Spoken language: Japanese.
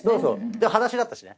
で裸足だったしね。